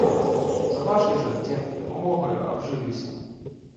За вашай жа, дзеткі, дапамогаю абжыліся.